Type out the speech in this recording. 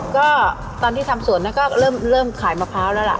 ก็ตอนที่ทำสวนก็เริ่มขายมะพร้าวแล้วล่ะ